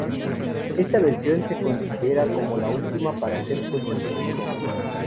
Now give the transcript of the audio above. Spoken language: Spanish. Esta versión es considerada como la última para ser puesta en producción.